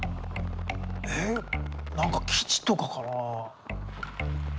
えっ何か基地とかかな？